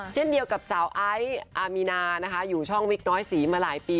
เช่นเดียวกับสาวไอซ์อามีนานะคะอยู่ช่องวิกน้อยสีมาหลายปี